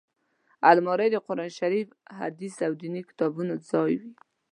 الماري د قران کریم، حدیث او ديني کتابونو ځای وي